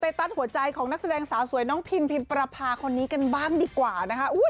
ตัสหัวใจของนักแสดงสาวสวยน้องพิมพิมประพาคนนี้กันบ้างดีกว่านะคะ